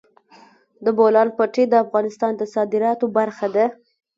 د بولان پټي د افغانستان د صادراتو برخه ده.